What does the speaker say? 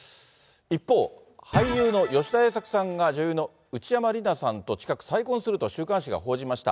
一方、俳優の吉田栄作さんが、女優の内山理名さんと近く再婚すると週刊誌が報じました。